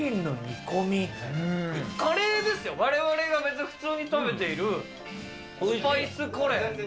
カレーですよ、われわれが別に普通に食べているスパイスカレー。